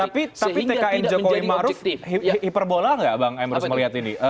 tapi tkn jokowi maruf hyperbola nggak bang emros melihat ini